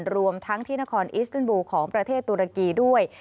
รวมทั้งที่นครอิสเติลบูลของประเทศตุรกีด้วย